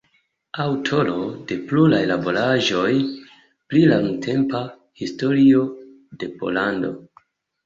Aŭtoro de pluraj laboraĵoj pri la nuntempa historio de Pollando.